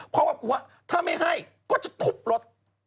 เพราะว่ากลัวว่าถ้าไม่ให้ก็จะทุบรถ